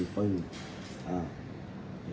ส่วนสุดท้ายส่วนสุดท้าย